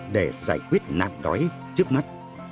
để giải quyết nạn đói trước mắt